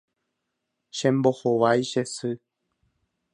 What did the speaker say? Chembohovái che sy.